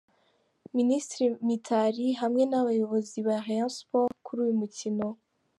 Ministre Mitali hamwe n’abayobozi ba Rayon Sports kuri uyu mukino.